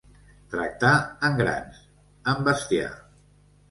Tractar en grans, en bestiar.